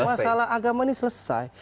masalah agama ini selesai